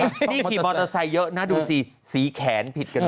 นี่ขี่มอเตอร์ไซค์เยอะนะดูสิสีแขนผิดกันเลย